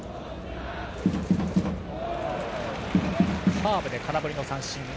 カーブで空振り三振。